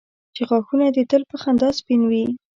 چې غاښونه دي تل په خندا سپین وي.